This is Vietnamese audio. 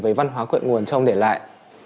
với văn hóa quận nguồn cho ông để lại